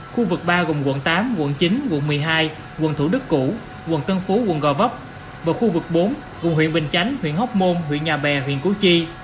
khu vực ba gồm quận tám quận chín quận một mươi hai quận thủ đức củ quận tân phú quận gò vấp và khu vực bốn gồm huyện bình chánh huyện hóc môn huyện nhà bè huyện củ chi